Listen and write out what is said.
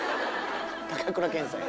高倉健さんや。